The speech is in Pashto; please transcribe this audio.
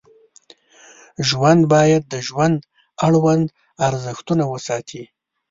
ژوند باید د ژوند اړوند ارزښتونه وساتي.